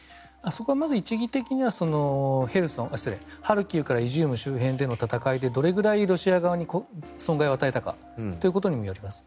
そこはまず一義的にはハルキウからイジューム周辺での戦いでどれぐらいロシア側に損害を与えたかということにもよります。